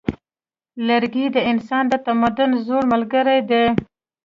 لرګی د انسان د تمدن زوړ ملګری دی.